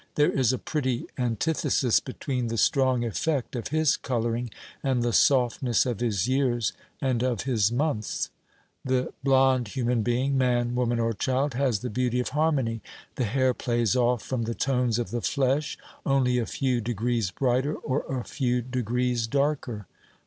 There is a pretty antithesis between the strong effect of his colouring and the softness of his years and of his months. The blond human being man, woman or child has the beauty of harmony; the hair plays off from the tones of the flesh, only a few degrees brighter or a few degrees darker.